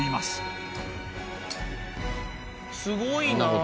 すごいな。